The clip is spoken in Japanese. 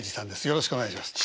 よろしくお願いします。